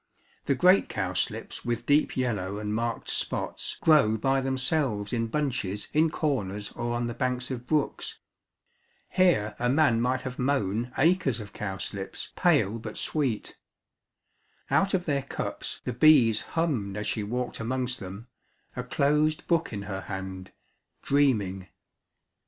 The great cowslips with deep yellow and marked spots grow by themselves in bunches in corners or on the banks of brooks. Here a man might have mown acres of cowslips, pale but sweet. Out of their cups the bees hummed as she walked amongst them, a closed book in her hand, dreaming.